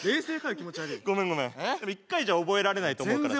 気持ち悪いごめんごめんでも１回じゃ覚えられないと思うからさ